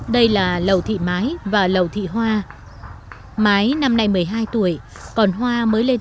đây là lầu thị mái và lầu thị hoa mái năm nay một mươi hai tuổi còn hoa mới lên